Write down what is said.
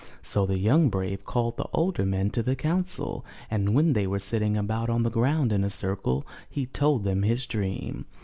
So the young brave called all the older men to the council, and when they were sitting about on the ground in a circle, he told them his dream.